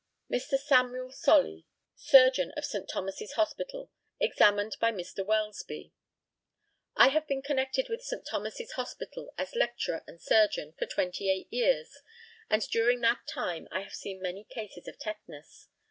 Mr. SAMUEL SOLLY, surgeon of St. Thomas's Hospital, examined by Mr. WELSBY: I have been connected with St. Thomas's Hospital, as lecturer and surgeon, for 28 years, and during that time I have seen many cases of tetanus.